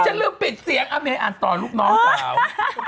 จะลืมปิดเสียงเอาไหมอ่านต่อลูกน้องกล่าว